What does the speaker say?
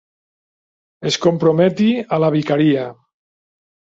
Es comprometi a la vicaria.